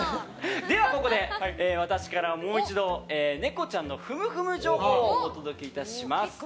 ここで、私からもう一度ネコちゃんのふむふむ情報をお届けいたします。